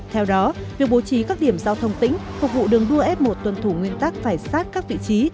theo đó việc bố trí các điểm giao thông tỉnh phục vụ đường đua f một tuân thủ nguyên tắc phải sát các vị trí